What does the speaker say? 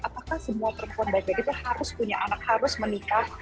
apakah semua perempuan baik baik itu harus punya anak harus menikah